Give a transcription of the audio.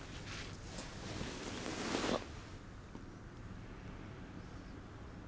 あっ。